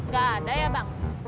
gak ada ya bang